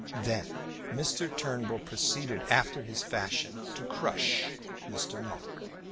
Then Mr. Turnbull proceeded after his fashion to crush Mr. Monk.